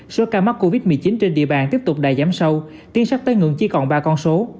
số ca mắc covid một mươi chín trên địa bàn tiếp tục đã giảm sâu tiến sắp tới ngưỡng chỉ còn ba con số